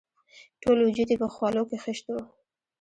ټول وجود یې په خولو کې خیشت وو.